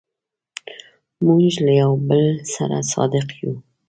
موږ له یو بل سره صادق یو.